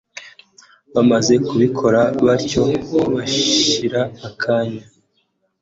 bamaze kubikora batyo hashira akanya